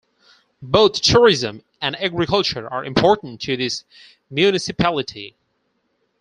Both tourism and agriculture are important to this municipality.